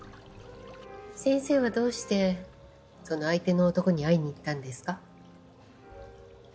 先生はどうしてその相手の男に会いに行ったんですか？